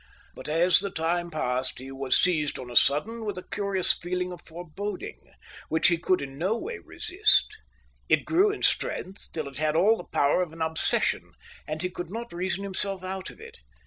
But as the time passed he was seized on a sudden with a curious feeling of foreboding, which he could in no way resist; it grew in strength till it had all the power of an obsession, and he could not reason himself out of it.